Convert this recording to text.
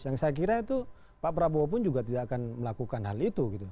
yang saya kira itu pak prabowo pun juga tidak akan melakukan hal itu gitu